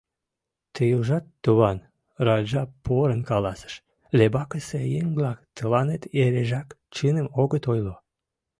— Тый ужат, туван, — Раджа порын каласыш, — Лебакысе еҥ-влак тыланет эрежак чыным огыт ойло.